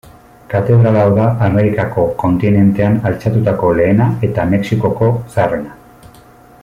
Katedral hau da Amerikako kontinentean altxatutako lehena eta Mexikoko zaharrena.